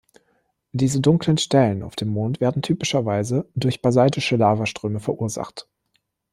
Diese dunklen Stellen auf dem Mond werden typischerweise durch basaltische Lavaströme verursacht.